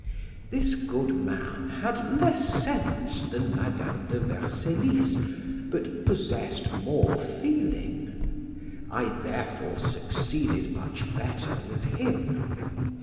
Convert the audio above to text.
This good man had less sense than Madam de Vercellis, but possessed more feeling; I therefore succeeded much better with him.